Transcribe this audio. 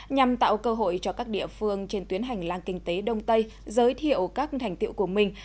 nhằm tạo cơ hội cho các địa phương trên tuyến hành lang kinh tế đông tây giới thiệu các thành tiệu của mình